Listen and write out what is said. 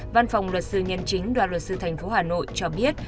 văn phòng luật sư nhân chính đoàn luật sư tp hà nội cho biết